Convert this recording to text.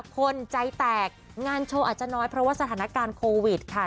คนใจแตกงานโชว์อาจจะน้อยเพราะว่าสถานการณ์โควิดค่ะ